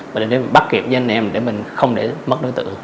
mình bắt kịp với anh em để mình không để mất đối tượng